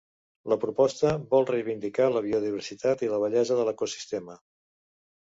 La proposta vol reivindicar la biodiversitat i la bellesa de l’ecosistema.